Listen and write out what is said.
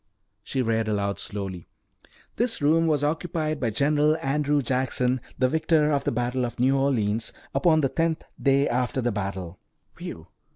She read aloud slowly: "'This Room Was Occupied by General Andrew Jackson, the Victor of the Battle of New Orleans, upon the Tenth Day after the Battle.'" "Whew!